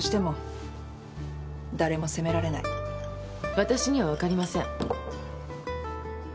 わたしには分かりません。